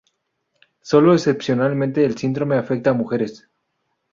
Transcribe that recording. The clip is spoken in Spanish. Solo excepcionalmente el síndrome afecta a mujeres.